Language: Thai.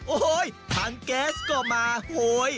โอ้โฮทางแก๊สก็มาโอ้โฮ